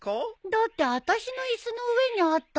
だってあたしの椅子の上にあったもん。